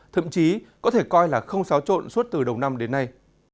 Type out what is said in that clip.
thậm chí có thể coi là không xáo trộn suốt từ đầu năm đến nay